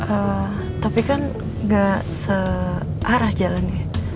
eee tapi kan gak searah jalannya